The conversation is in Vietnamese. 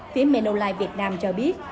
phía menolite việt nam cho biết